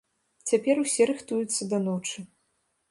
Цяпер усе рыхтуюцца да ночы.